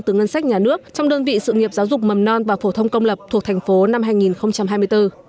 từ ngân sách nhà nước trong đơn vị sự nghiệp giáo dục mầm non và phổ thông công lập thuộc thành phố năm hai nghìn hai mươi bốn